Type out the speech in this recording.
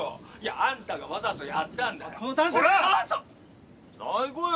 あんたがわざとやったんだよ。